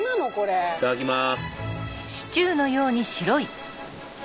いただきます！